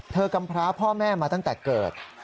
กำพร้าพ่อแม่มาตั้งแต่เกิด